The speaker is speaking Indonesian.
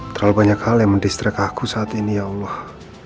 terlalu banyak hal yang mendistract aku saat ini ya allah